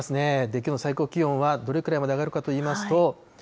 きょうの最高気温はどれくらいまで上がるかといいますと。